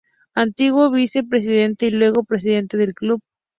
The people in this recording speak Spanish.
Antiguo vice presidente y luego presidente del club.